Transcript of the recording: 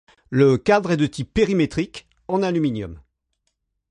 Le cadre est de type périmétrique, en aluminium.